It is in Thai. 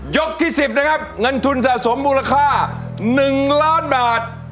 ที่๑๐นะครับเงินทุนสะสมมูลค่า๑ล้านบาท